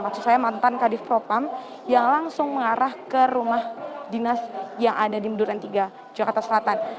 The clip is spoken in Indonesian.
maksud saya mantan kadif propam yang langsung mengarah ke rumah dinas yang ada di munduran tiga jakarta selatan